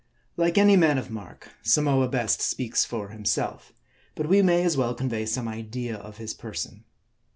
Like any man of mark, Samoa best speaks for himself; but we may as well convey some idea of his person.